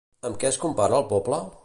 Amb què es compara el poble?